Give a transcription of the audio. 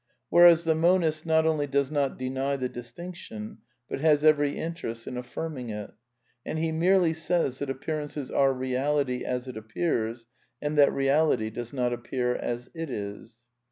Whereas the monist not only does not deny the dis tinction, but has every interest in affirming it; and he merely says that appearances are Beality as it appears, and that Beality does not appear as it is.